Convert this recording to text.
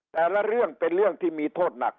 แต่ละเรื่องเป็นเรื่องที่มีโทษหนัก